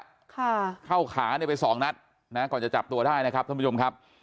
ค่ะเข้าขาเนี่ยไปสองนัดนะก่อนจะจับตัวได้นะครับท่านผู้ชมครับ